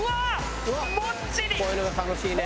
「こういうのが楽しいね！